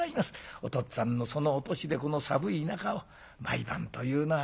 お父っつぁんのそのお年でこの寒い中を毎晩というのはきつうございましょう。